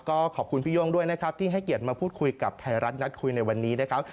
ก็ขอบคุณพี่โย่งด้วยนะครับที่ให้เกียรติมาพูดคุยกับไทยรัฐนัดคุยในวันนี้นะครับ